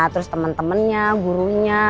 terus temen temennya gurunya